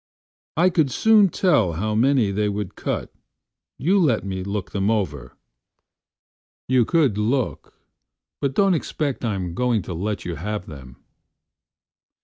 "I could soon tell how many they would cut, You let me look them over.""You could look. But don't expect I'm going to let you have them."